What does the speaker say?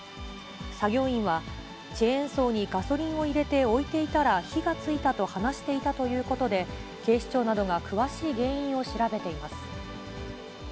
作業員は、チェーンソーにガソリンを入れて置いていたら、火がついたと話していたということで、警視庁などが詳しい原因を調べています。